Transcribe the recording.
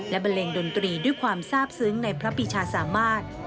บันเลงดนตรีด้วยความทราบซึ้งในพระปีชาสามารถ